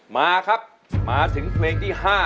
มาครับมาถึงเพลงที่๕